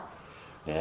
rất có hiệu quả